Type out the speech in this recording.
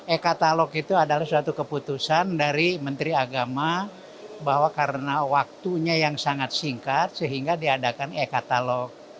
e katalog itu adalah suatu keputusan dari menteri agama bahwa karena waktunya yang sangat singkat sehingga diadakan e katalog